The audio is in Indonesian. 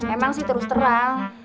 emang sih terus terang